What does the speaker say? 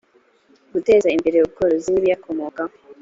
guteza imbere ubworozi n ibiyakomokaho